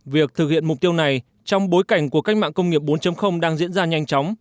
việc thực hiện mục tiêu này trong bối cảnh của cách mạng công nghiệp bốn đang diễn ra nhanh chóng